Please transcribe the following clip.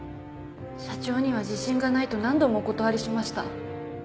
社長には自信がないと何度もお断りしました。